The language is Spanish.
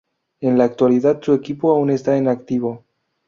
En la actualidad su equipo aún está en activo.